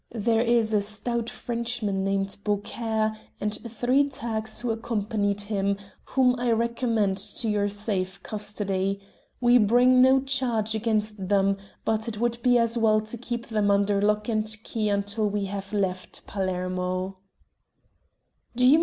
There is a stout Frenchman named Beaucaire and three Turks who accompanied him, whom I recommend to your safe custody. We bring no charge against them, but it would be as well to keep them under lock and key until we have left Palermo."